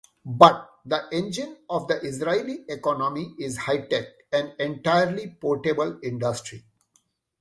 But the engine of the Israeli economy is high-tech, an entirely portable industry.